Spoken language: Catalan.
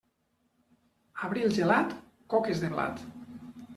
Abril gelat, coques de blat.